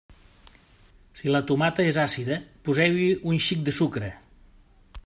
Si la tomata és àcida, poseu-hi un xic de sucre.